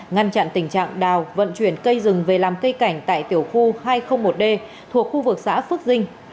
ngăn chặn tình trạng đào vận chuyển cây rừng về làm cây cảnh tại tiểu khu hai trăm linh một d thuộc khu vực xã phước dinh